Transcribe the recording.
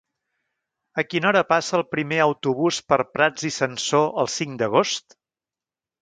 A quina hora passa el primer autobús per Prats i Sansor el cinc d'agost?